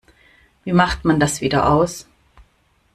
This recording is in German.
Wie macht man das wieder aus?